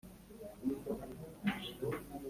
dore ko ngo bari abapfumu b’abahanga cyane